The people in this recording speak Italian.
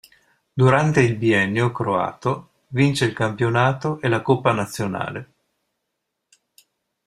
Durante il biennio croato vince il campionato e la coppa nazionale.